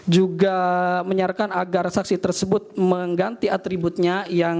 juga menyarankan agar saksi tersebut mengganti atributnya